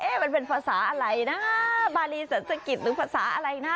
เอ้ยเป็นภาษาอะไรนะบารีศรักิฏดึงภาษาอะไรนะ